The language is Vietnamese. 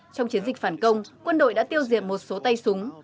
trong chiến dịch phản công quân đội đã tiêu diệt một số tay súng